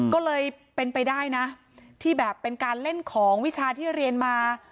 ก็เลยเป็นไปได้นะที่แบบเป็นการเล่นของวิชาที่เรียนมา